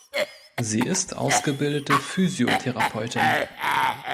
Sie ist ausgebildete Physiotherapeutin.